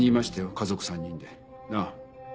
家族３人で。なあ？